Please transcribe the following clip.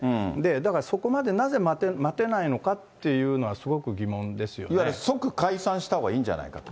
だからそこまでなぜ待てないのかっていうのは、すごく疑問ですよいわゆる、即解散したほうがいいんじゃないかと。